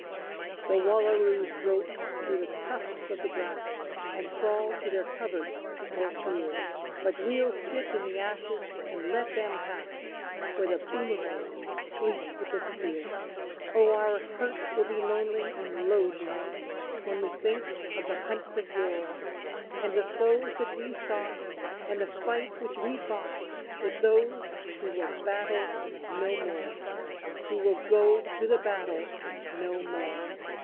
The Wallaroos grope through the tufts of the grass, And crawl to their coverts for fear; But we'll sit in the ashes and let them pass Where the boomerangs sleep with the spear! Oh! our hearts will be lonely and low to night When we think of the hunts of yore; And the foes that we sought, and the fights which we fought, With those who will battle no more Who will go to the battle no more!